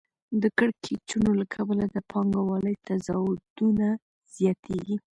د کړکېچونو له کبله د پانګوالۍ تضادونه زیاتېږي